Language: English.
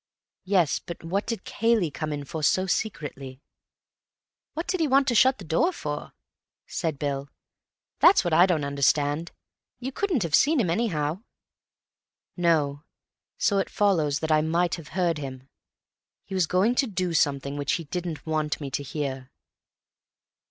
"Yes, but what did Cayley come in for so secretly?" "What did he want to shut the door for?" said Bill. "That's what I don't understand. You couldn't have seen him, anyhow." "No. So it follows that I might have heard him. He was going to do something which he didn't want me to hear."